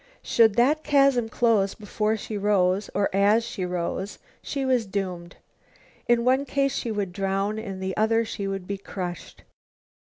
Should that chasm close before she rose, or as she rose, she was doomed. In one case she would drown, in the other she would be crushed.